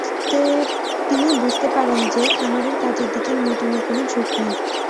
তিনি বুঝতে পারেন যে, খামারের কাজের দিকে নিউটনের কোনো ঝোঁক নেই।